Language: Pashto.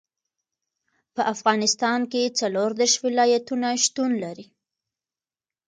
په افغانستان کې څلور دېرش ولایتونه شتون لري.